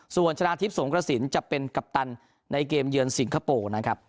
ส่วนชนะทิพย์สงกระสินจะเป็นกัปตันในเกมเยือนสิงคโปร์นะครับ